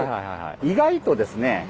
意外とですね